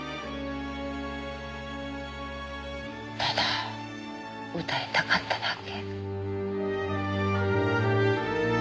ただ歌いたかっただけ。